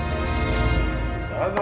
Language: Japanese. どうぞ。